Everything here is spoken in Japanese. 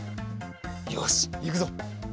よしいくぞ。